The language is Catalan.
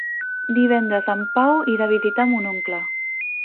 Divendres en Pau irà a visitar mon oncle.